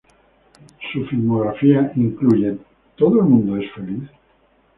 Su filmografía incluye "Is Everybody Happy?